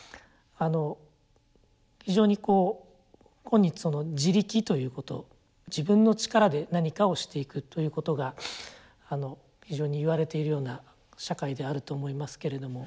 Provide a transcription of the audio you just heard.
非常にこう今日その「自力」ということ自分の力で何かをしていくということが非常に言われているような社会であると思いますけれども。